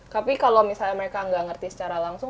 tapi kalau misalnya mereka nggak ngerti secara langsung